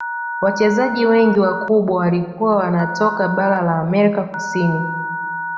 Wachezaji wengi wakubwa walikuwa wanatoka bara la amerika kusini